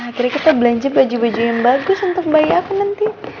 akhirnya kita belanja baju baju yang bagus untuk bayi aku nanti